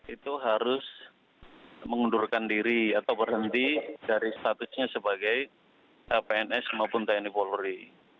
itu harus mengundurkan diri atau berhenti dari statusnya sebagai pns maupun tni polri